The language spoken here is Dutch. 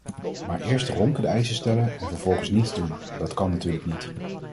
Maar eerst ronkende eisen stellen en vervolgens niets doen, dat kan natuurlijk niet.